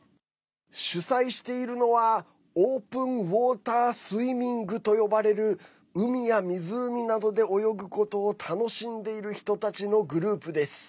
主催しているのはオープンウォータースイミングと呼ばれる海や湖などで泳ぐことを楽しんでいる人たちのグループです。